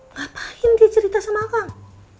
ngapain dia cerita sama kang